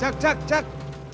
jak jak jak